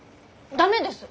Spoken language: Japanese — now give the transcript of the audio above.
駄目です。